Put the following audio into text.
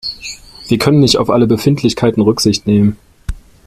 Wir können nicht auf alle Befindlichkeiten Rücksicht nehmen.